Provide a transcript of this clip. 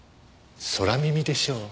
空耳でしょう。